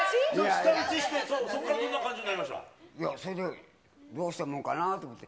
舌打ちして、いや、それで、どうしたもんかなと思って。